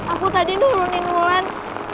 aku tadi nurunin wulan